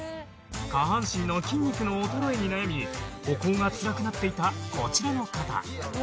下半身の筋肉の衰えに悩み歩行がつらくなっていたこちらの方